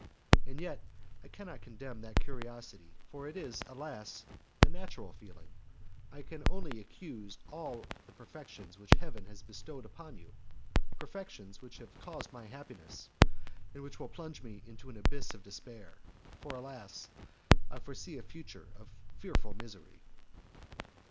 And yet I cannot condemn that curiosity, for it is, alas! a natural feeling. I can only accuse all the perfections which Heaven has bestowed upon you! perfections which have caused my happiness, and which will plunge me in an abyss of despair, for, alas! I foresee a future of fearful misery."